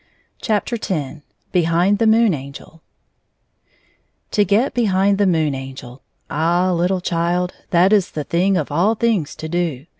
F02 X Behind the Moon Angel TO get behind the Moon Angel. Ah ! little child, that is the thing of all things to do.